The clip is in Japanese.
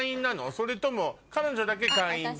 それとも彼女だけ会員で。